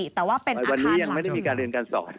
แต่ว่าเป็นอาคารหลังจุมันวันนี้ยังไม่ได้มีการเรียนการสอนนะครับ